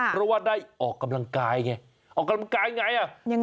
เพราะว่าได้ออกกำลังกายไงออกกำลังกายไง